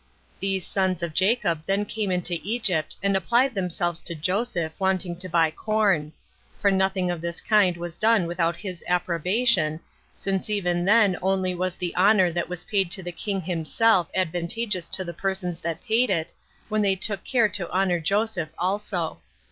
These sons of Jacob then came into Egypt, and applied themselves to Joseph, wanting to buy corn; for nothing of this kind was done without his approbation, since even then only was the honor that was paid the king himself advantageous to the persons that paid it, when they took care to honor Joseph also.